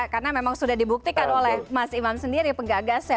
karena memang sudah dibuktikan oleh mas imam sendiri penggagas ya